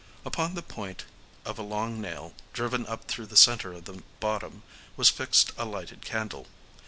Upon the point of a long nail, driven up through the centre of the bottom, was fixed a lighted candle.